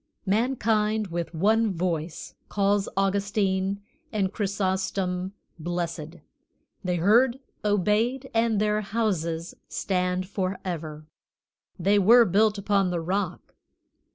Mankind with one voice calls Augustine and Chrysostom blessed; they heard, obeyed, and their houses stand forever; they were built upon the rock.